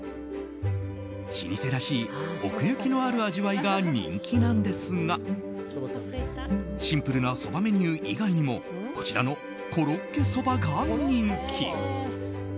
老舗らしい奥行きのある味わいが人気なんですがシンプルなそばメニュー以外にもこちらのコロッケそばが人気。